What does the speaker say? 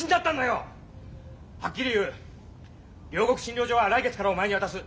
はっきり言う両国診療所は来月からお前に渡す。